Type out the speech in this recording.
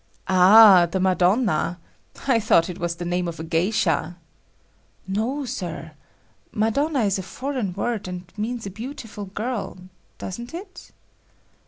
"Ah, the Madonna! I thought it was the name of a geisha." "No, Sir. Madonna is a foreign word and means a beautiful girl, doesn't it?"